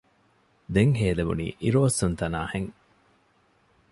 ދެން ހޭލެވުނީ އިރުއޮއްސުނުތަނާ ހެން